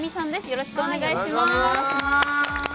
よろしくお願いします。